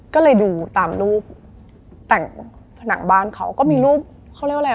ก็เลยดูตามรูปแต่งผนังบ้านเขาก็มีรูปเขาเรียกว่าอะไรอ่ะ